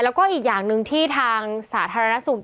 แล้วก็อีกอย่างหนึ่งที่ทางสาธารณสุข